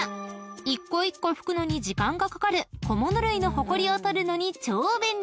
［１個１個拭くのに時間がかかる小物類のほこりを取るのに超便利なのが］